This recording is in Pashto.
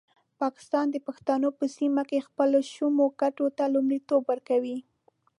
پاکستان د پښتنو په سیمه کې خپلو شومو ګټو ته لومړیتوب ورکوي.